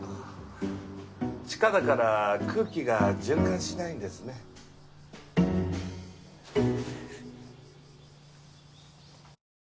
地下だから空気が循環しないんですねあぁ